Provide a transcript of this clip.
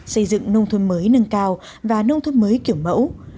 xây dựng nông thuận mới nâng cao và nông thuận mới kiểu mẫu